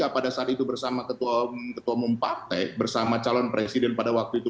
pada saat itu bersama ketua umum partai bersama calon presiden pada waktu itu